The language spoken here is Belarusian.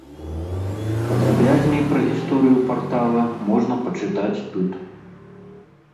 Падрабязней пра гісторыю партала можна пачытаць тут.